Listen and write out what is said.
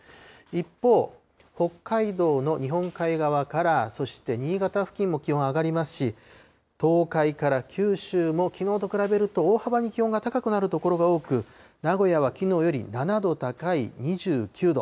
一方、北海道の日本海側からそして新潟付近も気温が上がりますし、東海から九州も、きのうと比べると大幅に気温が高くなる所が多く、名古屋はきのうより７度高い２９度。